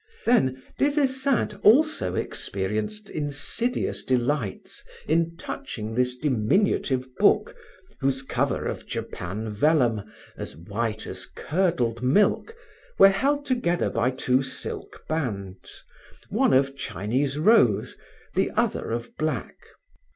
Then, Des Esseintes also experienced insidious delights in touching this diminutive book whose cover of Japan vellum, as white as curdled milk, were held together by two silk bands, one of Chinese rose, the other of black.